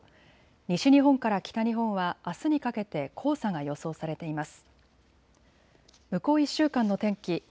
西日本から北日本はあすにかけて黄砂が予想されています。